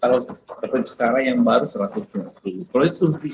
kalau seperti sekarang yang baru satu ratus lima puluh kalau itu bisa dijaga itu sudah endemic